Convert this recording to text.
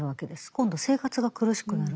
今度生活が苦しくなる。